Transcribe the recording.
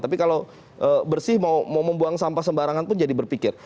tapi kalau bersih mau membuang sampah sembarangan pun jadi berpikir